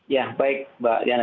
ya baik mbak liana